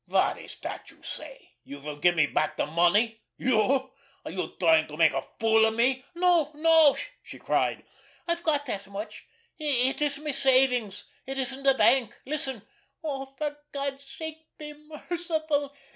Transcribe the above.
"What is that you say? You will give me back the money? You! Are you trying to make a fool of me?" "No, no!" she cried. "I've got that much—it is my savings—it is in the bank. Listen! Oh, for God's sake, be merciful!